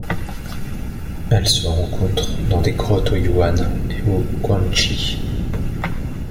Elles se rencontrent dans des grottes au Yunnan et au Guangxi.